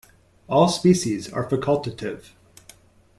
All species are facultative.